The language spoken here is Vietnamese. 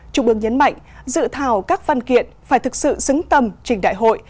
trung ương nhấn mạnh dự thảo các văn kiện phải thực sự xứng tầm trên đại hội